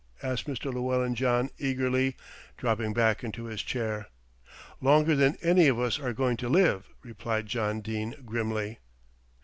asked Mr. Llewellyn John eagerly, dropping back into his chair. "Longer than any of us are going to live," replied John Dene grimly.